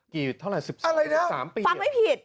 กี่เท่าไหร่๑๓ปีฟังไม่ผิด